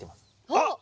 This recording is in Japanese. あっ！